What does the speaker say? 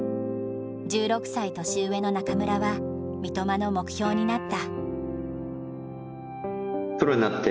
１６歳年上の中村は三笘の目標になった。